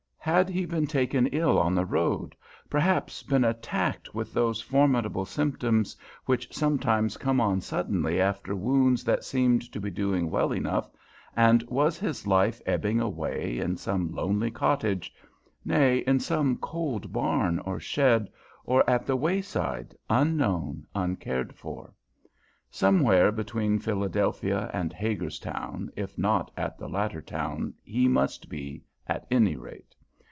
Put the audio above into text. Had he been taken ill on the road, perhaps been attacked with those formidable symptoms which sometimes come on suddenly after wounds that seemed to be doing well enough, and was his life ebbing away in some lonely cottage, nay, in some cold barn or shed, or at the wayside, unknown, uncared for? Somewhere between Philadelphia and Hagerstown, if not at the latter town, he must be, at any rate.